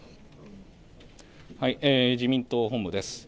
自民党本部です。